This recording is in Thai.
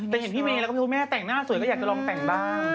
แต่เห็นพี่เมย์แล้วก็มีคุณแม่แต่งหน้าสวยก็อยากจะลองแต่งบ้าง